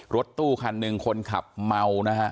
รถตู้ที่คันหนึ่งคนขับเมาค่ะ